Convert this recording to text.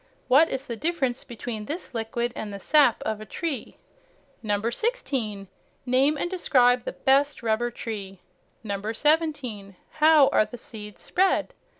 What is the difference between this liquid and the sap of a tree. 16. Name and describe the best rubber tree. 17. How are the seeds spread?